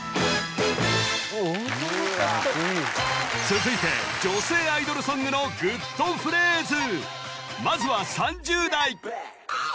続いて女性アイドルソングのグッとフレーズ